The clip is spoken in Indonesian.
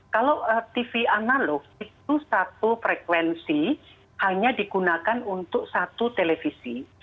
kalau tv analog itu satu frekuensi hanya digunakan untuk satu televisi